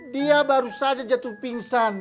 dia baru saja jatuh pingsan